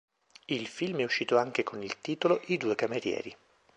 Il film è uscito anche con il titolo I due camerieri.